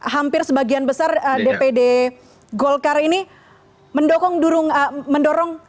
hampir sebagian besar dpd golkar ini mendorong